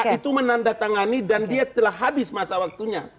itu menandatangani dan dia telah habis masa waktunya